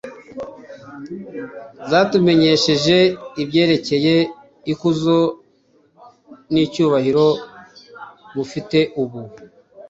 zatumenyesheje ibyerekeye ikuzo n'icyubahiro mufite ubu